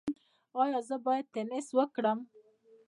ایا زه باید ټینس وکړم؟